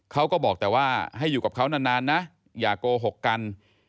เขาก็บอกแต่ว่าให้อยู่กับเขานานนะอย่าโกหกกัน